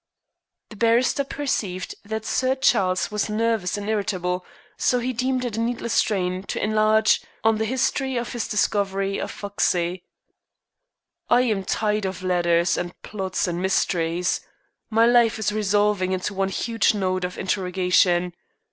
The barrister perceived that Sir Charles was nervous and irritable, so he deemed it a needless strain to enlarge on the history of his discovery of Foxey. "I am tired of letters, and plots, and mysteries. My life is resolving into one huge note of interrogation.